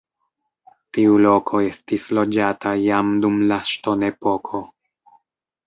Tiu loko estis loĝata jam dum la ŝtonepoko.